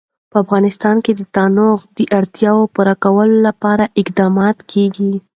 په افغانستان کې د تنوع د اړتیاوو پوره کولو لپاره اقدامات کېږي.